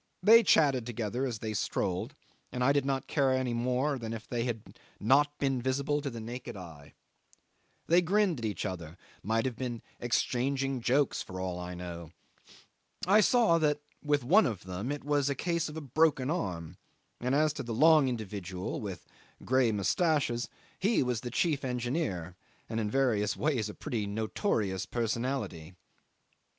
They chatted together as they strolled, and I did not care any more than if they had not been visible to the naked eye. They grinned at each other might have been exchanging jokes, for all I know. I saw that with one of them it was a case of a broken arm; and as to the long individual with grey moustaches he was the chief engineer, and in various ways a pretty notorious personality.